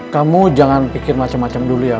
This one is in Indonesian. kamu jangan pikir macam macam dulu ya